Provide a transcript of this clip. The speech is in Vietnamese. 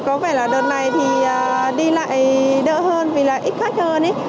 có vẻ là đợt này thì đi lại đỡ hơn vì là ít khách hơn